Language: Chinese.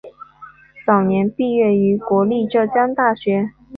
早年毕业于国立浙江大学。